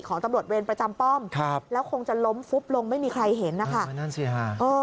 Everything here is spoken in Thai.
ของตำรวจเวรประจำป้อมครับแล้วคงจะล้มฟุบลงไม่มีใครเห็นนะคะนั่นสิค่ะ